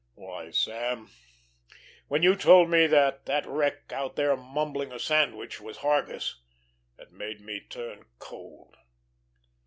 Why, Sam, when you told me that that wreck out there mumbling a sandwich was Hargus, it made me turn cold."